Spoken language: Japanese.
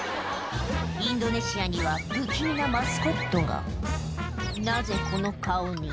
インドネシアには不気味なマスコットがなぜこの顔に？